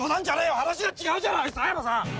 話が違うじゃない佐山さん！